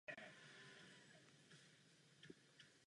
V manželství se jim narodila dcera Marianne.